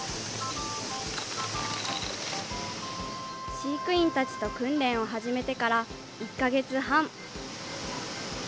飼育員たちと訓練を始めてから１か月半。